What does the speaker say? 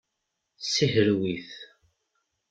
Sihrew-it.